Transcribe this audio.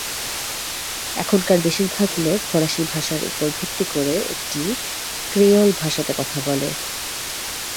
এখানকার বেশির ভাগ লোক ফরাসি ভাষার উপর ভিত্তি করে একটি ক্রেওল ভাষাতে কথা বলে।